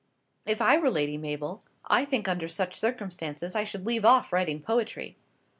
"If I were Lady Mabel, I think under such circumstances I should leave off writing poetry."